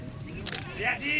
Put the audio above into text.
悔しい！